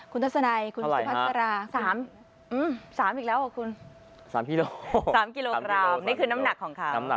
คุณทัศนัยคุณสุภัณฑ์สรา๓กิโลกรัมนี่คือน้ำหนักของเขา